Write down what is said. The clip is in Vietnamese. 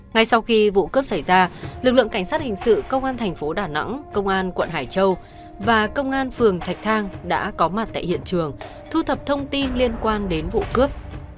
ngay sau khi vụ cướp xảy ra lực lượng cảnh sát hình sự công an thành phố đà nẵng công an quận hải châu và công an phường thạch thang đã có mặt tại hiện trường thu thập thông tin liên quan đến vụ cướp